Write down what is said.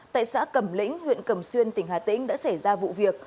tại xã cẩm lĩnh huyện cầm xuyên tỉnh hà tĩnh đã xảy ra vụ việc